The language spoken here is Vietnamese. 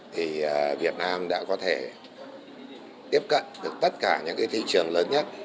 thì việt nam đã có thể tiếp cận được tất cả những cái thị trường lớn nhất